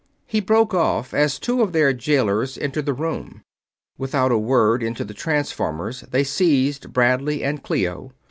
He broke off as two of their jailers entered the room. Without a word into the transformers they seized Bradley and Clio.